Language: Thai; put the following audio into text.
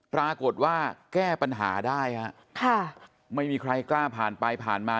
ปรากฏว่าแก้ปัญหาได้ฮะค่ะไม่มีใครกล้าผ่านไปผ่านมา